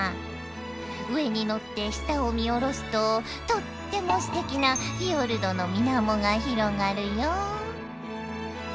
上に乗って下を見下ろすととってもすてきなフィヨルドの水面が広がるよ。